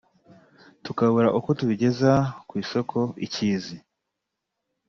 tukabura uko tubigeza ku isoko i Cyizi